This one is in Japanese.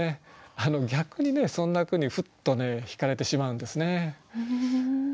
逆にそんな句にふっとひかれてしまうんですね。